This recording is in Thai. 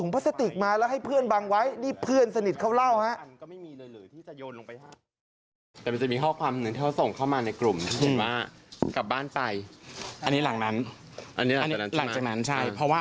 พลาสติกมาแล้วให้เพื่อนบังไว้นี่เพื่อนสนิทเขาเล่าฮะ